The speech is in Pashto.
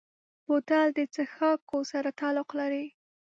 بوتل د څښاکو سره تعلق لري.